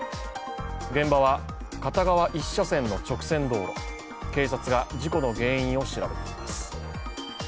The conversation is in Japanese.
現場は片側１車線の直線道路、警察が事故の原因を調べています。